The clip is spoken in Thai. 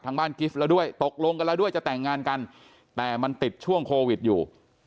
บ้านกิฟต์แล้วด้วยตกลงกันแล้วด้วยจะแต่งงานกันแต่มันติดช่วงโควิดอยู่